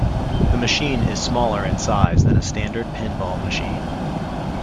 The machine is smaller in size than a standard pinball machine.